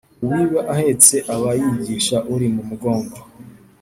Uwiba ahetse aba yigisha uri imugongo.